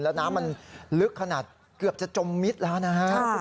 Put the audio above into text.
แล้วน้ำมันลึกขนาดเกือบจะจมมิดแล้วนะฮะ